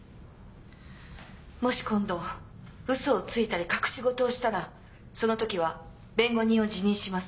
もし今度ウソをついたり隠し事をしたらそのときは弁護人を辞任します。